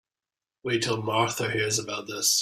Wait till Martha hears about this.